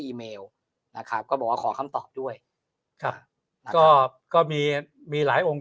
เมลนะครับก็บอกว่าขอคำตอบด้วยครับก็ก็มีมีหลายองค์